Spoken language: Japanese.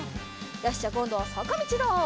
よしじゃあこんどはさかみちだ。